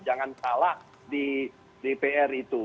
jangan salah di dpr itu